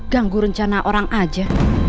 ganggu rencana orang aja